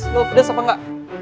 lo pedas apa enggak